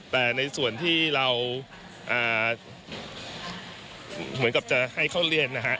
แต่ในส่วนที่เราเหมือนกับจะให้เข้าเรียนนะฮะ